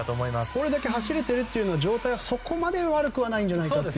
これだけ走れているなら状態はそこまで悪くないんじゃないかと。